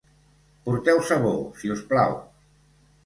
Porteu sabó si us plau.